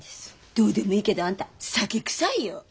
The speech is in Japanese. どうでもいいけどあんた酒くさいよ。